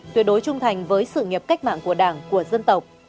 tuyệt đối trung thành với sự nghiệp cách mạng của đảng của dân tộc